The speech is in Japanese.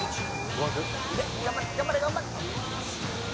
わあ頑張れ頑張れ！